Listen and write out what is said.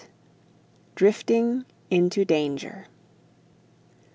DRIFTING INTO DANGER.